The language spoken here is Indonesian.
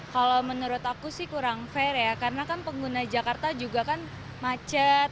kalau menurut aku sih kurang fair ya karena kan pengguna jakarta juga kan macet